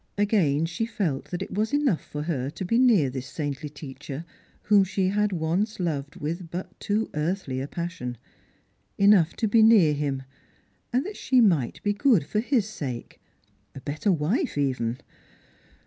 Again she felt that it was enough for her to be near this saintly teacher, whom she had once loved with but too earthly a passion ; enough to be near him, and that she might be good for his sake — a better wife even.